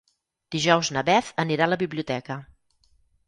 Dijous na Beth anirà a la biblioteca.